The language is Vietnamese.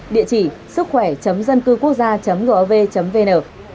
địa chỉ sứckhoẻ dâncưquốcgia gov vn